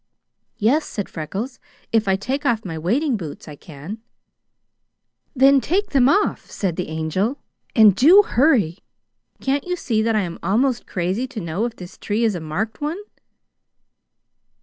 "Yes," said Freckles; "if I take off my wading boots I can." "Then take them off," said the Angel, "and do hurry! Can't you see that I am almost crazy to know if this tree is a marked one?"